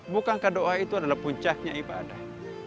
bukankah doa itu adalah puncaknya ibadah